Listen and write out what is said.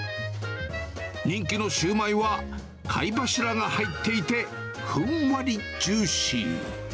人気のシューマイは貝柱が入っていて、ふんわりジューシー。